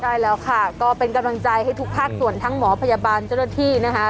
ใช่แล้วค่ะก็เป็นกำลังใจให้ทุกภาคส่วนทั้งหมอพยาบาลเจ้าหน้าที่นะคะ